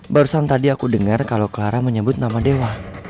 barusan tadi aku dengar kalau clara menyebut nama dewa